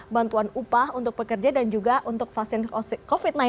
bantuan upah untuk pekerja dan juga untuk vaksin covid sembilan belas